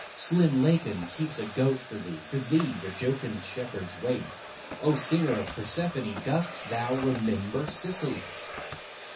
Slim Lacon keeps a goat for thee, For thee the jocund shepherds wait; O Singer of Persephone! Dost thou remember Sicily?